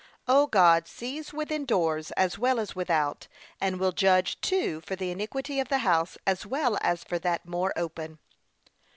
O! God sees within doors as well as without, and will judge too for the iniquity of the house as well as for that more open.